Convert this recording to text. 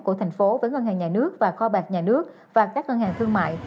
của tp hcm với ngân hàng nhà nước và kho bạc nhà nước và các ngân hàng thương mại